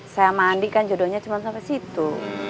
saya sama andi kan jodohnya cuman sampai situ